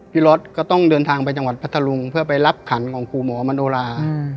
รถก็ต้องเดินทางไปจังหวัดพัทธรุงเพื่อไปรับขันของครูหมอมโนรา